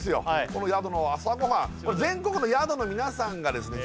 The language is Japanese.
この宿の朝ごはんこれ全国の宿のみなさんがですね